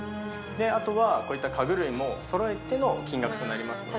であとはこういった家具類もそろえての金額となりますので。